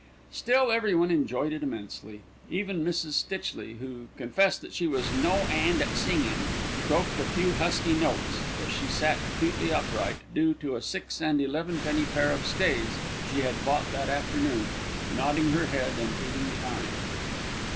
Still, everyone enjoyed it immensely. Even Mrs. Stitchley, who confessed that she was "no 'and at singin'," croaked a few husky notes, as she sat acutely upright, due to a six and elevenpenny pair of stays she had bought that afternoon, nodding her head and beating time.